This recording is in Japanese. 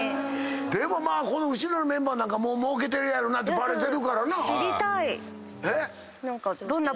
でも後ろのメンバーなんかはもうもうけてるやろなってバレてるからな。